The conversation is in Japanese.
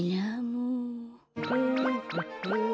うん。